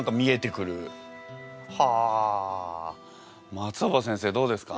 松尾葉先生どうですか？